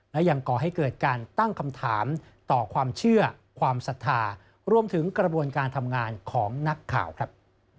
และยังก่อให้เกิดการตั้งคำถามต่อความเชื่อความศรัทธารวมถึงกระบวนการทำงานของนักข่าวครับ